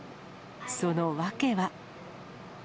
その訳は。